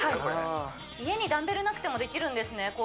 これ家にダンベルなくてもできるんですね